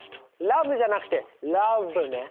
「ラブ」じゃなくて「ラヴ」ね。